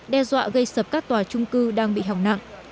đe dọa gây sập các tòa trung cư đang bị hỏng nặng